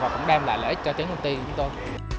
và cũng đem lại lợi ích cho chính công ty của chúng tôi